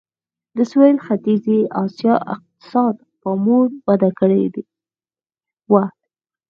د سوېل ختیځې اسیا اقتصاد پاموړ وده کړې وه.